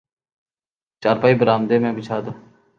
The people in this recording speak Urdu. چارپائی برآمدہ میں بچھا دو